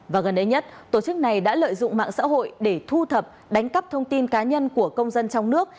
và gần đây nhất tổ chức này đã lợi dụng mạng xã hội để thu thập đánh cắp thông tin cá nhân của công dân trong nước